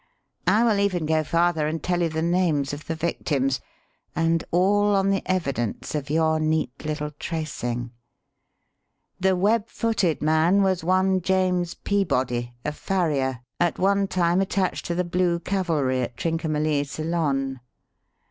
I will even go farther and tell you the names of the victims; and all on the evidence of your neat little tracing. The web footed man was one, James Peabody, a farrier, at one time attached to the Blue Cavalry at Trincomalee, Ceylon.